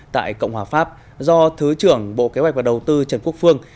tại cộng hòa pháp do thứ trưởng bộ kế hoạch và đầu tư trần quốc phương